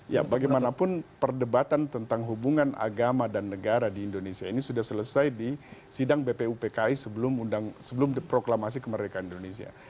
ya bagaimanapun perdebatan tentang hubungan agama dan negara di indonesia ini sudah selesai di sidang bpupki sebelum proklamasi kemerdekaan indonesia